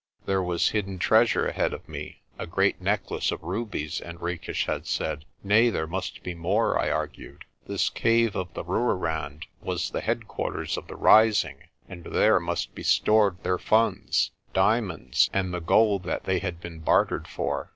There was hidden treasure ahead of me a great necklace of rubies, Henriques had said. Nay, there must be more, I argued. This cave of the Rooirand was the headquarters of the rising, and there must be stored their funds diamonds, and the gold they had been bartered for.